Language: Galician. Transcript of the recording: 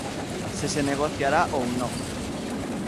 Se se negociará ou non.